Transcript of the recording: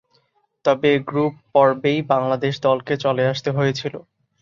তবে, গ্রুপ পর্বেই বাংলাদেশ দলকে চলে আসতে হয়েছিল।